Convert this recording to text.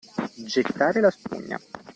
Gettare la spugna.